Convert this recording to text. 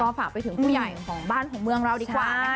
ฝากไปถึงผู้ใหญ่ของบ้านของเมืองเราดีกว่านะคะ